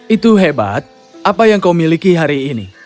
itu hebat apa yang kau miliki hari ini